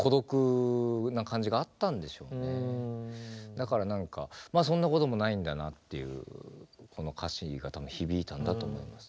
だから何かそんなこともないんだなっていうこの歌詞が多分響いたんだと思います。